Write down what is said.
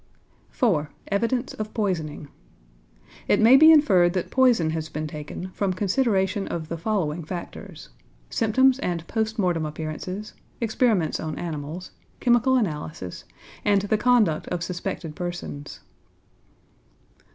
IV. EVIDENCE OF POISONING It may be inferred that poison has been taken from consideration of the following factors: Symptoms and post mortem appearances, experiments on animals, chemical analysis, and the conduct of suspected persons.